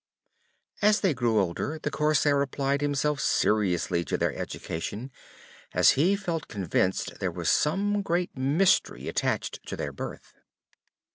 As they grew older, the Corsair applied himself seriously to their education, as he felt convinced there was some great mystery attached to their birth.